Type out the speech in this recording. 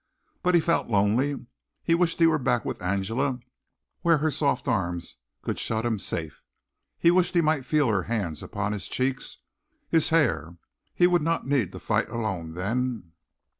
But he felt lonely. He wished he were back with Angela where her soft arms could shut him safe. He wished he might feel her hands on his cheeks, his hair. He would not need to fight alone then.